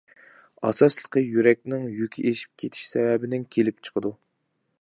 ئاساسلىقى يۈرەكنىڭ يۈكى ئېشىپ كېتىش سەۋەبىدىن كېلىپ چىقىدۇ.